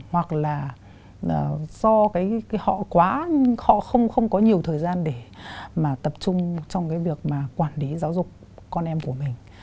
hoặc là do họ quá không có nhiều thời gian để tập trung trong việc quản lý giáo dục con em của mình